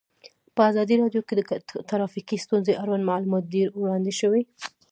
په ازادي راډیو کې د ټرافیکي ستونزې اړوند معلومات ډېر وړاندې شوي.